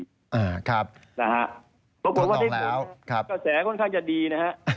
เพราะบอกว่าเทศกระแสค่อนข้างจะดีนะฮะ